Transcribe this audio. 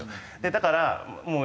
だからもう。